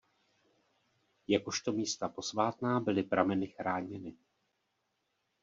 Jakožto místa posvátná byly prameny chráněny.